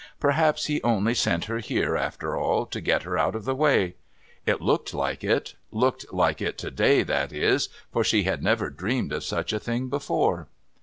Perhaps he only sent her here, after all, to get her out of the way. It looked like it — looked like it to day, that is, for she had never dreamed of such a thing before.